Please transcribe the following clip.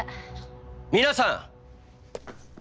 皆さん！